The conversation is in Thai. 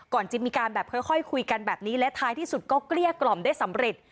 จะมีการแบบค่อยคุยกันแบบนี้และท้ายที่สุดก็เกลี้ยกล่อมได้สำเร็จ